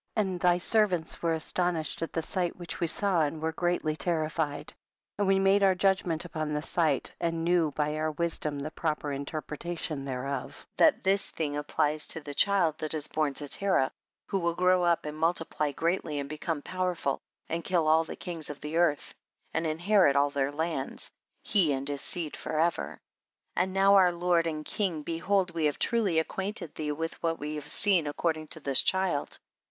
1 1 . And thy servants were aston ished at the sight which we saw, and were greatly terrified, and we made our judgment upon the sight, and knew by our wisdom the proper interpretation thereof, that this thing applies to the child that is born to Terah, who will grow up and multi ply greatly, and become powerful, and kill all the kings of the earth, and inherit all their lands, he and his seed forever. 12. And now our lord and king, behold we have truly acquainted thee with what we have seen concerning this child.